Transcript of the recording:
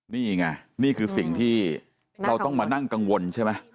นี่ไงนี่คือสิ่งที่เราต้องมานั่งกังวลใช่ไหม